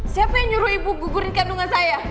siapa yang nyuruh ibu gugurin kandungan saya